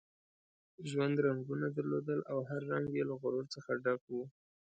ژوند رنګونه درلودل او هر رنګ یې له غرور څخه ډک وو.